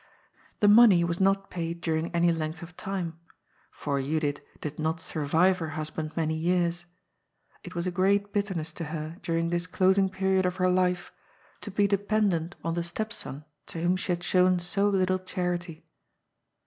The money was not paid during any length of time, for Judith did not survive her husband many years. It was a great bitterness to her during this closing period of her life to be dependent on the step son to whom she had shown so little charity.